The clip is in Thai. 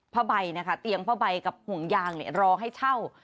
พระใบนะคะเตียงพระใบกับหุ่นยางเนี่ยรอให้เช่า